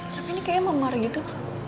tapi ini kayaknya mah marih gitu